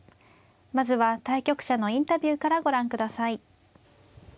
まずは対局者のインタビューからご覧ください。